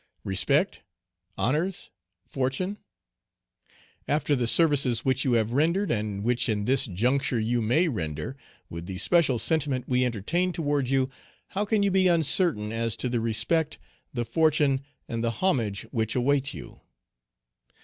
Respect, honors, fortune? After the services which you have rendered, and which in this juncture you may render, Page 175 with the special sentiment we entertain toward you, how can you be uncertain as to the respect, the fortune, and the homage which await you?